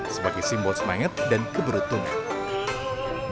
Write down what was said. sebagai simbol semangat dan keberuntungan